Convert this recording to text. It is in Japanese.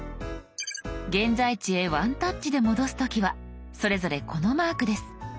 現在地へワンタッチで戻す時はそれぞれこのマークです。